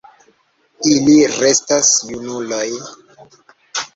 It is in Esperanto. Ili restas junuloj.